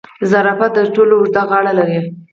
زرافه تر ټولو اوږده غاړه لري